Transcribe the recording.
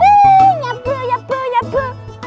hai saatnya nyapu nyapu